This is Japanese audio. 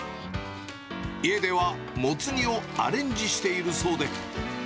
家ではモツ煮をアレンジしているそうで。